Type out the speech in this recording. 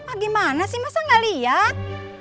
ah gimana sih masa gak lihat